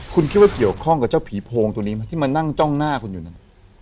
คุณคิดว่าเกี่ยวข้องกับเจ้าผีโพงตัวนี้ไหมที่มานั่งจ้องหน้าคุณอยู่นั่น